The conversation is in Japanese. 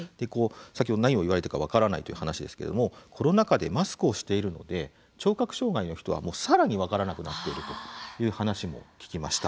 先ほど何を言われたか分からないという話ですけどもコロナ禍でマスクをしているので聴覚障害の人は更に分からなくなっているという話も聞きました。